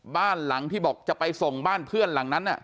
บ้านหลังที่บอกจะไปส่งบ้านเพื่อนหลังนั้น